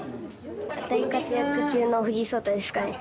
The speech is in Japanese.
大活躍中の藤井聡太ですかね。